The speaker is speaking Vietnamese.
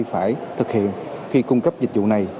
phải thực hiện khi cung cấp dịch vụ này